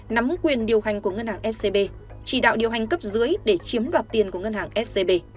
nắm quyền điều hành của ngân hàng scb chỉ đạo điều hành cấp dưới để chiếm đoạt tiền của ngân hàng scb